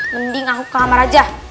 mending aku ke kamar aja